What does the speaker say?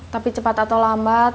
tapi cepat atau lambat